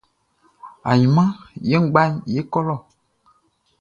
Ainman ye nʼgba ye kɔ lɔ.